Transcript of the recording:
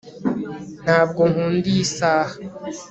ntabwo nkunda iyi saha